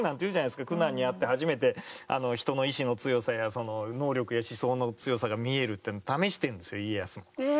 苦難に遭って初めて人の意思の強さやその能力や思想の強さが見えるってのを試してんですよ家康も。え！